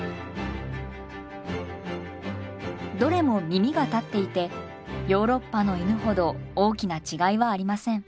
どれも耳が立っていてヨーロッパの犬ほど大きな違いはありません。